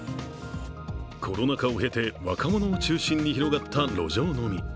コロナ禍を経て、若者を中心に広がった路上飲み。